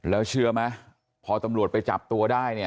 แล้วเชื่อไหมพอตำรวจไปจับตัวได้เนี่ย